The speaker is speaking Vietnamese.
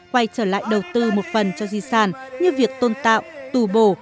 quay trở lại đầu tư một phần cho di sản như việc tôn tạo tù bổ